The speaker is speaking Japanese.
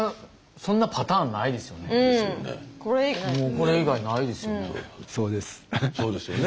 これ以外ないですよね。